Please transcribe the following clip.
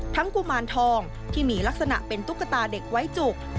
กุมารทองที่มีลักษณะเป็นตุ๊กตาเด็กไว้จุก